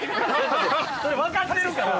◆それは分かってるから。